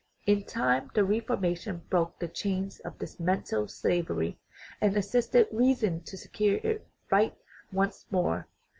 In time the Reformation broke the chains of this mental slavery, and assisted reason to secure its right once more.